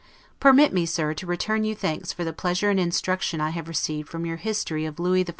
Permit me, Sir, to return you thanks for the pleasure and instruction I have received from your 'History of Lewis XIV'.